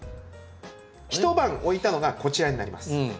一晩置いたのがこちらになります。